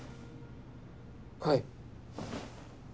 はい。